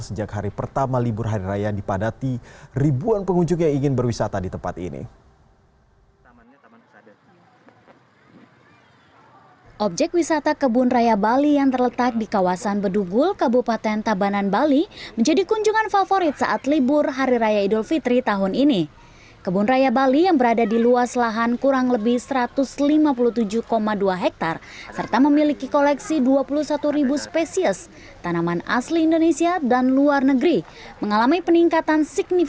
sejak hari pertama libur hari raya dipadati ribuan pengunjung yang ingin berwisata di tempat ini